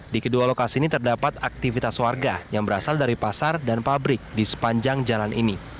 di kedua lokasi ini terdapat aktivitas warga yang berasal dari pasar dan pabrik di sepanjang jalan ini